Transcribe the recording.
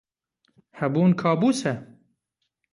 Hebûn kabûs e?